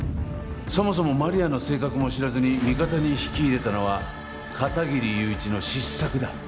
そもそもマリアの性格も知らずに味方に引き入れたのは片切友一の失策だ。